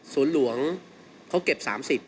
หลวงเขาเก็บ๓๐